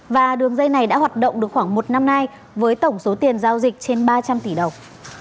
và đường dây này đã hoạt động được khoảng một năm nay với tổng số tiền giao dịch trên ba trăm linh tỷ đồng